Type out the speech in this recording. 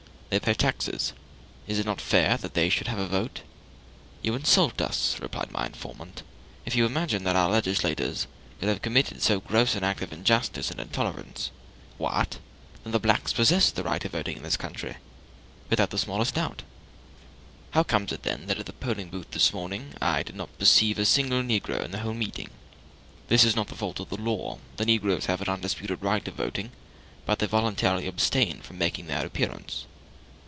They pay the taxes; is it not fair that they should have a vote?" "You insult us," replied my informant, "if you imagine that our legislators could have committed so gross an act of injustice and intolerance." "What! then the blacks possess the right of voting in this county?" "Without the smallest doubt." "How comes it, then, that at the polling booth this morning I did not perceive a single negro in the whole meeting?" "This is not the fault of the law: the negroes have an undisputed right of voting, but they voluntarily abstain from making their appearance."